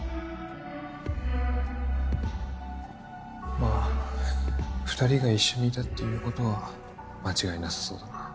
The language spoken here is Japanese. まぁ２人が一緒にいたっていうことは間違いなさそうだな。